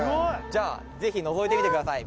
じゃぜひのぞいてみてください。